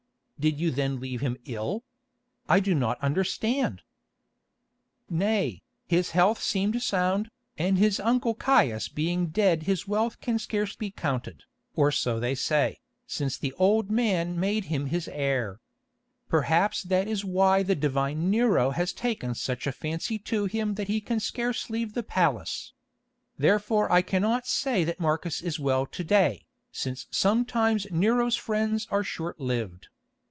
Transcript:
"Did you then leave him ill? I do not understand." "Nay, his health seemed sound, and his uncle Caius being dead his wealth can scarce be counted, or so they say, since the old man made him his heir. Perhaps that is why the divine Nero has taken such a fancy to him that he can scarce leave the palace. Therefore I cannot say that Marcus is well to day, since sometimes Nero's friends are short lived.